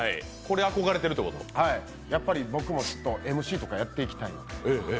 はい、やっぱり僕もＭＣとかやっていきたい。